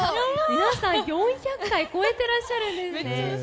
皆さん４００回超えていらっしゃるんですね。